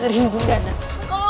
bening jangan gitu na